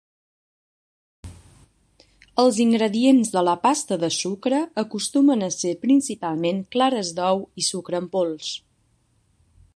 Els ingredients de la pasta de sucre acostumen a ser principalment clares d'ou i sucre en pols.